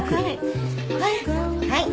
はい。